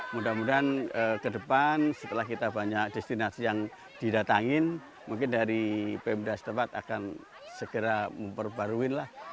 mudah mudahan ke depan setelah kita banyak destinasi yang didatangin mungkin dari pmd setempat akan segera memperbarui lah